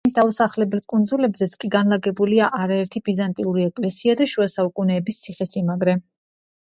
მის დაუსახლებელ კუნძულებზეც კი განლაგებულია არაერთი ბიზანტიური ეკლესია და შუა საუკუნეების ციხესიმაგრე.